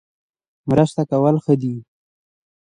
مرسته کول ښه دي